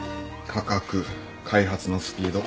価格開発のスピード